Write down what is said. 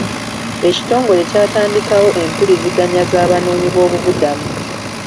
Ekitongole kyatandikawo empuliziganya z'abanoonyi boobubudamu.